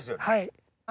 はい。